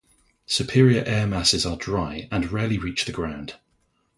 Superior air masses are dry, and rarely reach the ground.